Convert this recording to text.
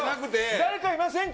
誰かいませんか？